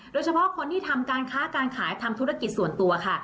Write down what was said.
โดยเฉพาะคนที่ทำการค้าการขายทำธุรกิจส่วนตัวค่ะ